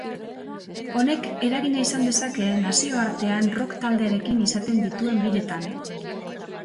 Honek eragina izan dezake nazioartean rock taldearekin izaten dituen biretan.